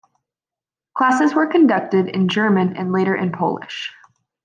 Classes were conducted in German and later in Polish.